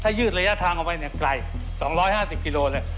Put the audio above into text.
ถ้ายืดระยะทางออกไปไกล๒๕๐โกม